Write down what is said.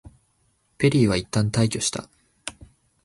ペリーはいったん退去した。